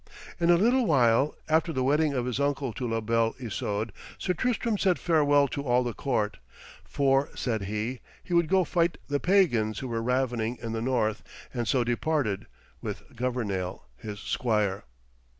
In a little while, after the wedding of his uncle to La Belle Isoude, Sir Tristram said farewell to all the court, 'for,' said he, 'he would go fight the pagans who were ravening in the north,' and so departed, with Governale his squire.